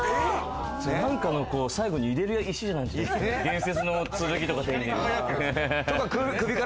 何かの最後に入れる石じゃないですか？